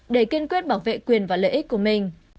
để kiên quyết bảo vệ quyền và lợi ích của mình